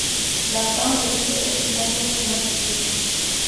La fin de vie est une période bien triste.